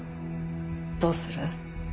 どうする？